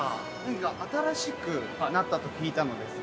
新しくなったと聞いたのですが。